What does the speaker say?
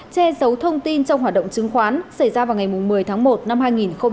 che giấu thông tin trong hoạt động chứng khoán xảy ra vào ngày một mươi tháng một năm hai nghìn hai mươi